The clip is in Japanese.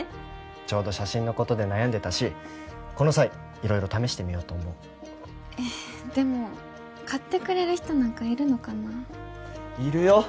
ちょうど写真のことで悩んでたしこの際色々試してみようと思うえっでも買ってくれる人なんかいるのかなあいるよ